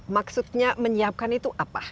maksudnya menyiapkan itu apa